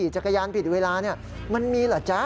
จักรยานผิดเวลามันมีเหรอจ๊ะ